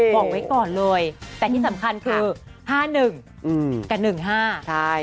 บอกไว้ก่อนเลยแต่ที่สำคัญคือ๕๑กับ๑๕ใช่